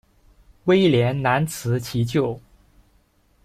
威廉难辞其咎。